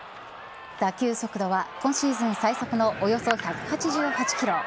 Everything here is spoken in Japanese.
打球速度は今シーズン最速のおよそ１８８キロ。